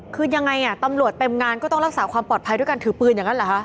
คือยังไงตำรวจเต็มงานก็ต้องรักษาความปลอดภัยด้วยการถือปืนอย่างนั้นเหรอคะ